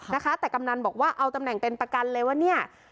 นะคะแต่กำนันบอกว่าเอาตำแหน่งเป็นประกันเลยว่าเนี่ย